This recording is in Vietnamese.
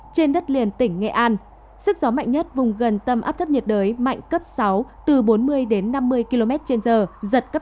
trên đất liền tỉnh nghệ an sức gió mạnh nhất vùng gần tâm áp thấp nhiệt đới mạnh cấp sáu từ bốn mươi đến năm mươi km trên giờ giật cấp một mươi